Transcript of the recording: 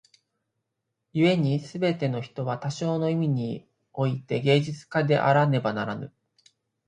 故に凡ての人は多少の意味に於て芸術家であらねばならぬ。